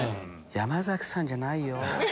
山さんじゃないよ